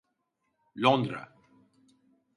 Londra…